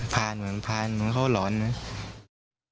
ผ่านเหมือนเขาหลอนนะ